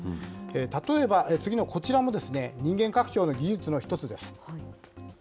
例えば次のこちらも、人間拡張の技術の一つです。